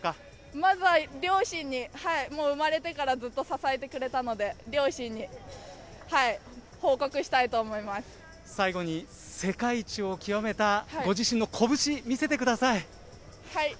まずは両親に、もう生まれてからずっと支えてくれたので、最後に、世界一を極めたご自身の拳、見せてください。